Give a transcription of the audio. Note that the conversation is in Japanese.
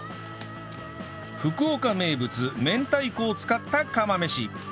福岡名物明太子を使った釜飯